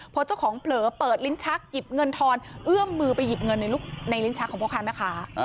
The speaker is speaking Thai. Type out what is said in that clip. พอเจ้าของเผลอเปิดลิ้นชักหยิบเงินทอนเอื้อมมือไปหยิบเงินในลิ้นชักของพ่อค้าแม่ค้า